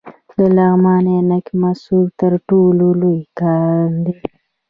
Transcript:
د لغمان عينک د مسو تر ټولو لوی کان دی